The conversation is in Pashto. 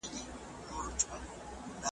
واوری دا د زړه په غوږ، پیغام د پېړۍ څه وايي .